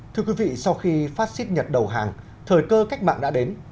thưa quý vị sau khi phát xít nhật đầu hàng thời cơ cách mạng đã đến